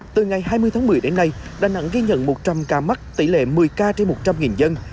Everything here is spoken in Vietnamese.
từ ngày hai mươi tháng một mươi đến nay đà nẵng ghi nhận một trăm linh ca mắc tỷ lệ một mươi ca trên một trăm linh dân